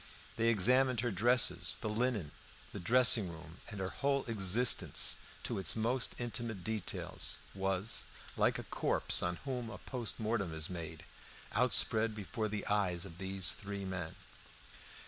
They examined her dresses, the linen, the dressing room; and her whole existence to its most intimate details, was, like a corpse on whom a post mortem is made, outspread before the eyes of these three men.